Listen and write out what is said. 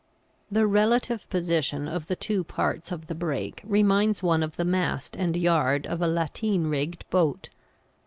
The relative position of the two parts of the brake reminds one of the mast and yard of a lateen rigged boat.